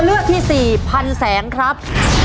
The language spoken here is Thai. เรือที่๔พันแสงครับ